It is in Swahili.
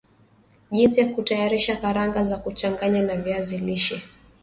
Jinsi ya kutayarisha karanga za kuchanganya na viazi lishe